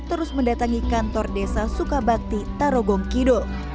terus mendatangi kantor desa sukabakti tarogongkido